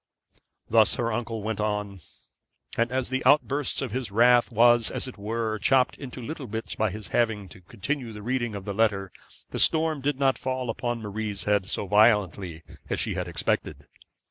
Thus her uncle went on; and as the outburst of his wrath was, as it were, chopped into little bits by his having to continue the reading of the letter, the storm did not fall upon Marie's head so violently as she had expected.